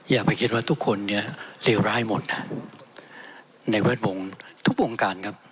อย่าไปคิดว่าทุกคนเนี่ยเลวร้ายหมดในแวดวงทุกวงการครับ